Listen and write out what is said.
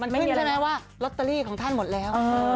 มันขึ้นใช่ไหมว่าลอตเตอรี่ของท่านหมดแล้ว